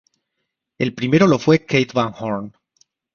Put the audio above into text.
El primero lo fue Keith Van Horn.